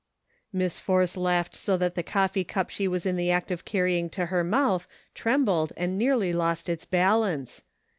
" Miss Force laughed so that the coffee cup she was in the act of carrying to her mouth trembled and nearly lost its balance.